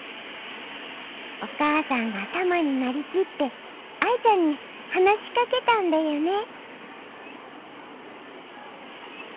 お母さんがたまになりきって愛ちゃんに話しかけたんだよね。